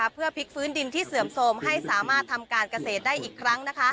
เพื่อพลิกฟื้นดินที่เสื่อมโทรมให้สามารถทำการเกษตรได้อีกครั้ง